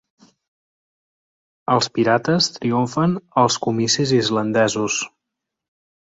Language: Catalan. Els Pirates triomfen als comicis islandesos